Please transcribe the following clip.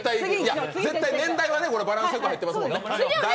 絶対、年代はバランスよく入ってますからね。